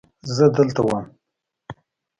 زه دلته وم.